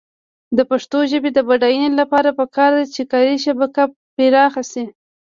د پښتو ژبې د بډاینې لپاره پکار ده چې کاري شبکه پراخه شي.